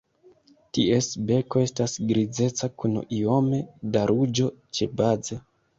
Ties beko estas grizeca kun iome da ruĝo ĉebaze.